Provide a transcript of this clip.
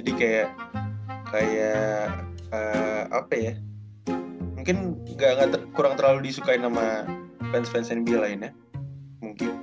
jadi kayak kayak apa ya mungkin ga kurang terlalu disukain sama fans fans nba lainnya mungkin